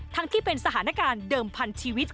ที่เป็นสถานการณ์เดิมพันชีวิต